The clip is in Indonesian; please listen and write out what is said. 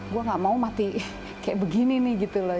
gue gak mau mati kayak begini nih gitu loh